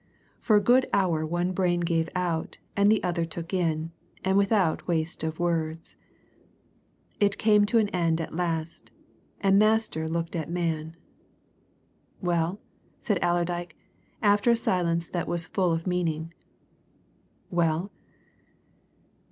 For a good hour one brain gave out, and the other took in, and without waste of words. It came to an end at last, and master looked at man. "Well?" said Allerdyke, after a silence that was full of meaning "well?"